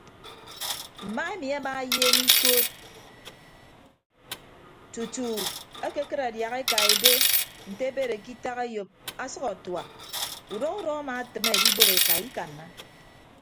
Mma emi ama ayeem ikod tutu ekekịd adiaha eka ebe nte ebere ke itak eyop ọsʌk atua udọ udọ ama atịme edibәk eka ikanna.